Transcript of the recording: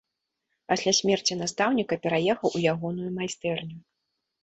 Пасля смерці настаўніка пераехаў у ягоную майстэрню.